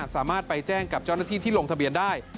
สามารถไปแจ้งกับเจ้าหน้าที่ที่ลงทะเบียนได้